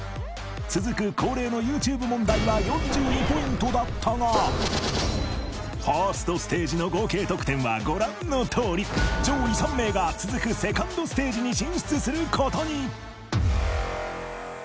続く恒例のＹｏｕＴｕｂｅ問題は４２ポイントだったが１ｓｔＳＴＡＧＥの合計得点はご覧のとおり上位３名が続く２ｎｄＳＴＡＧＥに進出することに！